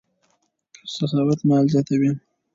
سخاوت مال زیاتوي.